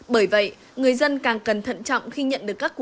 bởi vậy người dân càng cẩn thận trọng khi nhận được các hành vi